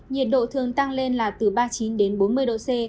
nhiệt độ thường tăng lên là từ ba mươi chín đến bốn mươi độ c